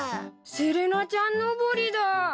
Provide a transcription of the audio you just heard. セレナちゃん登りだぁ。